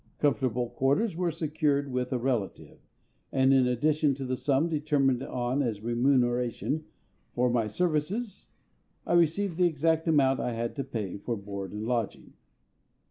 Comfortable quarters were secured with a relative, and in addition to the sum determined on as remuneration for my services I received the exact amount I had to pay for board and lodging.